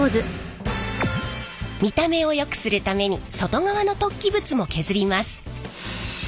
見た目をよくするために外側の突起物も削ります。